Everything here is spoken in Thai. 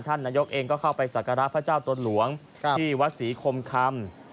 นายกเองก็เข้าไปสักการะพระเจ้าตนหลวงที่วัดศรีคมคำ